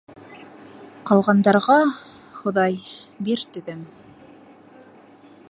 Ҡалғандарға, Хоҙай, бир түҙем.